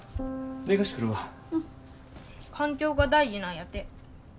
環境が大事なんやて。